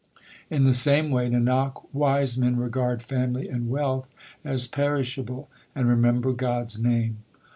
In the same way, Nanak, wise men regard family and wealth as perishable, and remember God s name.